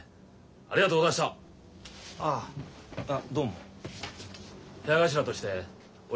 ありがとうございましたっ！